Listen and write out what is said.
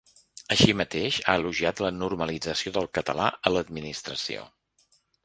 Així mateix, ha elogiat la normalització del català a l’administració.